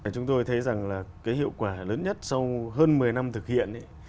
chúng tôi thấy rằng là cái hiệu quả lớn nhất sau hơn một mươi năm thực hiện